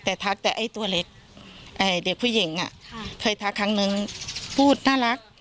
แต่ทักแต่ไอ้ตัวเล็กเด็กผู้หญิงเคยทักครั้งนึงพูดน่ารัก